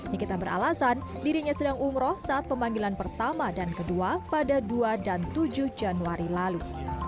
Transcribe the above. nikita beralasan dirinya sedang umroh saat pemanggilan pertama dan kedua pada dua dan tujuh januari lalu